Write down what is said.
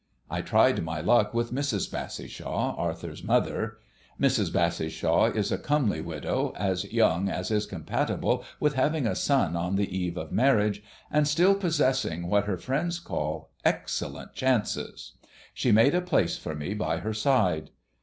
I tried my luck with Mrs. Bassishaw, Arthur's mother. Mrs. Bassishaw is a comely widow, as young as is compatible with having a son on the eve of marriage, and still possessing what her friends call "excellent chances." She made a place for me by her side.